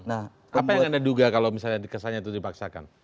apa yang anda duga kalau misalnya kesannya itu dibaksakan